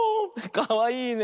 かわいいね。